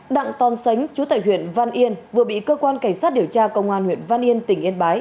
đặng tòn sánh chú tại huyện văn yên vừa bị cơ quan cảnh sát điều tra công an huyện văn yên tỉnh yên bái